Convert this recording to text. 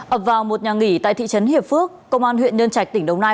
ập vào một nhà nghỉ tại thị trấn hiệp phước công an huyện nhân trạch tỉnh đồng nai